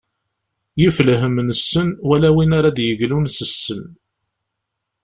Yif lhem nessen wala win ara d-yeglun s ssem.